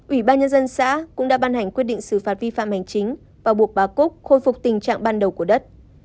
ủy ban nhân dân xã cũng đã ban hành quyết định xử phạt vi phạm hành chính và buộc bà cúc khôi phục tình trạng ban đầu của đất